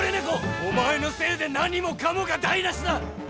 お前のせいで何もかもが台なしだ！